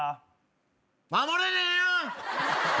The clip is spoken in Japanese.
守れねえよ！